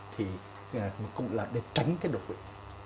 thì cũng là để tránh cái đội